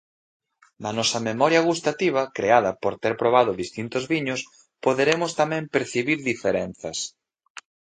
Da nosa memoria gustativa, creada por ter probado distintos viños, poderemos tamén percibir diferenzas.